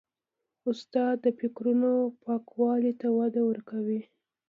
استاد د فکرونو پاکوالي ته وده ورکوي.